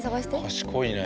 賢いね。